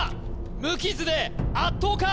無傷で圧倒か？